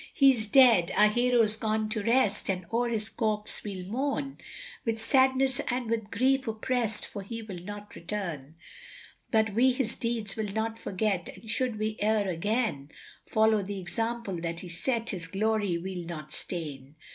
He's dead, our hero's gone to rest, and o'er his corpse we'll mourn, With sadness and with grief oppress'd, for he will not return, But we his deeds will not forget, and should we ere again, Follow the example that he set, his glory we'll not stain.